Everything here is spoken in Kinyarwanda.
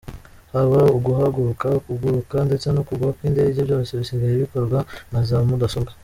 Haba uguhaguruka, kuguruka ndetse no kugwa kw’indege byose bisigaye bikorwa na za mudasobwa.